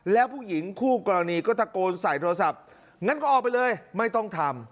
แล้วผู้หญิงคู่กรณีก็ตะโกนใส่โทรศัพท์งั้นก็ออกไปเลยไม่ต้องทำ